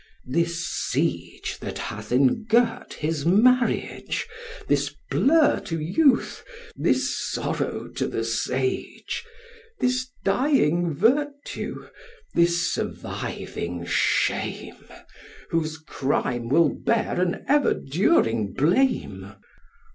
This siege that hath engirt his marriage, This blur to youth, this sorrow to the sage, This dying virtue, this surviving shame, Whose crime will bear an ever during blame?